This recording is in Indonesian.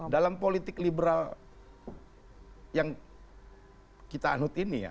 dalam politik liberal yang kita anut ini ya